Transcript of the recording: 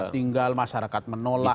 tinggal masyarakat menolak